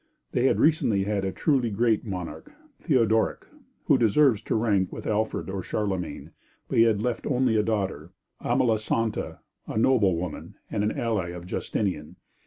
They had recently had a truly great monarch, Theodoric, who deserves to rank with Alfred or Charlemagne, but he had left only a daughter, Amalasanta, a noble woman, and an ally of Justinian.